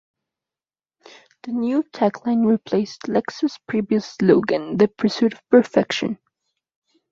The new tagline replaced Lexus's previous slogan, "The Pursuit of Perfection".